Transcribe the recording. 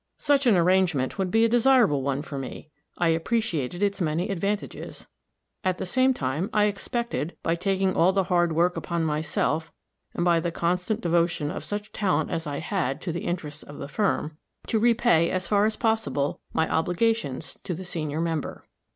Such an arrangement would be a desirable one for me; I appreciated its many advantages; at the same time, I expected, by taking all the hard work upon myself, and by the constant devotion of such talent as I had to the interests of the firm, to repay, as far as possible, my obligations to the senior member.